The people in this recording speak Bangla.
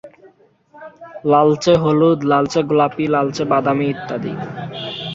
লালচে হলুদ, লালচে গোলাপি, লালচে বাদামি ইত্যাদি।